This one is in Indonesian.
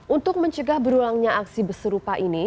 untuk mencegah berulangnya aksi besurupa ini